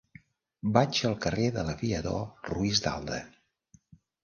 Vaig al carrer de l'Aviador Ruiz de Alda.